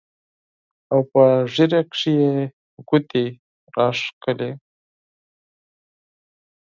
او پۀ ږيره کښې يې ګوتې راښکلې